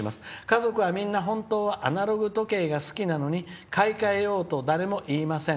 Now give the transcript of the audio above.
家族はみんな、本当はアナログ時計が好きなのに買い替えようと誰も言いません。